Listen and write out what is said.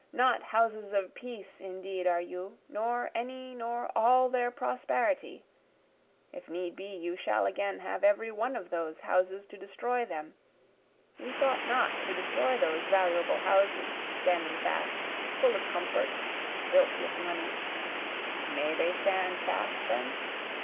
Not houses of peace indeed are you, nor any nor all their prosperity, (if need be, you shall again have every one of those houses to destroy them, You thought not to destroy those valuable houses, standing fast, full of comfort, built with money, May they stand fast, then?